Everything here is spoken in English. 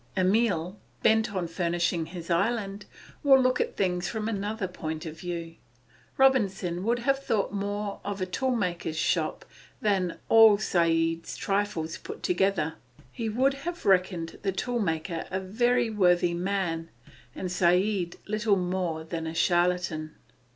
Emile, bent on furnishing his island, will look at things from another point of view. Robinson would have thought more of a toolmaker's shop than all Saide's trifles put together. He would have reckoned the toolmaker a very worthy man, and Saide little more than a charlatan.